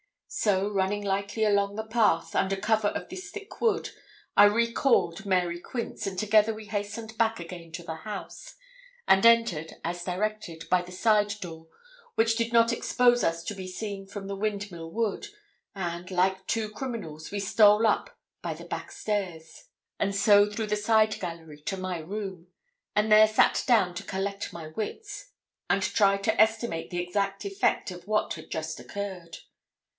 So running lightly along the path, under cover of this thick wood, I recalled Mary Quince, and together we hastened back again to the house, and entered, as directed, by the side door, which did not expose us to be seen from the Windmill Wood, and, like two criminals, we stole up by the backstairs, and so through the side gallery to my room; and there sat down to collect my wits, and try to estimate the exact effect of what had just occurred.